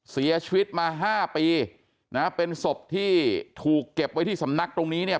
เสียชีวิตมา๕ปีนะฮะเป็นศพที่ถูกเก็บไว้ที่สำนักตรงนี้เนี่ย